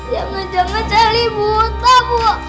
jangan jangan selly buta bu